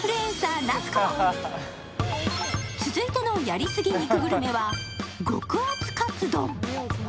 続いてのやり過ぎ肉グルメは極厚カツ丼。